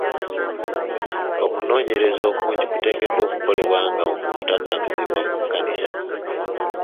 Okunoonyereza okungi kuteekeddwa okukolebwa nga omuntu tannagobebwa mu kkanisa.